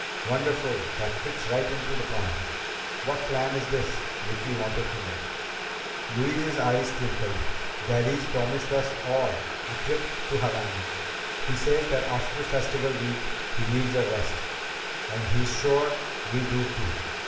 "Wonderful! That fits right into the plan!" "What plan is this?" Vicki wanted to know. Louise's eyes twinkled. "Daddy's promised us all a trip to Havana. He says that after Festival Week he needs a rest, and he's sure we do too.